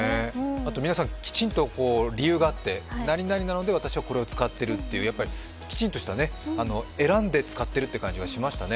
あと皆さん、きちんと理由があって、何々なので私はこれを使っているっていう、きちんと選んで使っているという感じがしましたね。